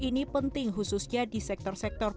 ini penting khususnya di sektor sektor